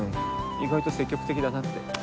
意外と積極的だなって。